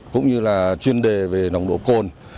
cũng như là chuyên đề về nồng độ côn